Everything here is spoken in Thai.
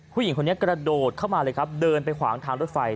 ผู้หญิงคนนี้กระโดดเข้ามาเลยครับเดินไปขวางทางรถไฟ